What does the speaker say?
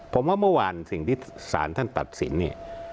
ผมว่าเมื่อวานสิ่งที่ศาลท่านตัดสินเนี่ย